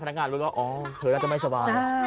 พนักงานรู้แล้วอ๋อเธอน่าจะไม่สบายอะ